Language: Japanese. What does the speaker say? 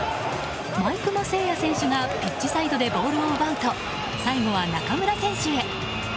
毎熊晟矢選手がピッチサイドでボールを奪うと最後は中村選手へ。